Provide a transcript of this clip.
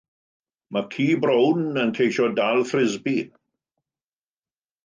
Mae ci brown yn ceisio dal Ffrisbi.